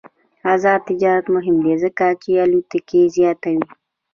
آزاد تجارت مهم دی ځکه چې الوتنې زیاتوي.